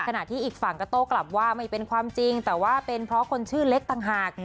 ขณะที่อีกฝั่งก็โต้กลับว่าไม่เป็นความจริงแต่ว่าเป็นเพราะคนชื่อเล็กต่างหาก